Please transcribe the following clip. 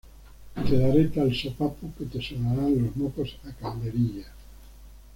Te daré tal sopapo que te sonarán los mocos a calderilla